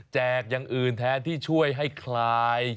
อย่างอื่นแทนที่ช่วยให้คลาย